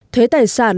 thuế tài sản